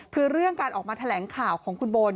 คือเรื่องการออกมาแถลงข่าวของคุณโบ